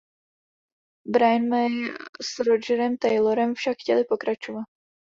Brian May s Rogerem Taylorem však chtěli pokračovat.